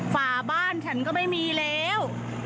ฝาบ้านฉันก็ไม่มีแล้ว